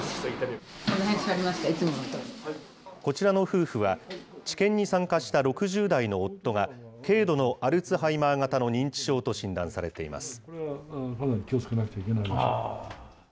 こちらの夫婦は、治験に参加した６０代の夫が、軽度のアルツハイマー型の認知症と診断されています。